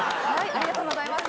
ありがとうございます。